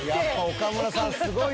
岡村さん